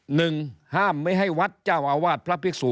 หนึ่งห้ามไม่ให้วัดเจ้าอาวาสพระภิกษุ